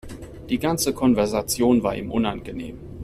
Die ganze Konversation war ihm unangenehm.